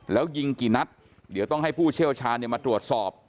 แล้วยิงกี่นัดเดี๋ยวต้องให้ผู้เชี่ยวชาญมาตรวจสอบ